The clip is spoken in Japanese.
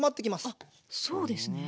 あっそうですね。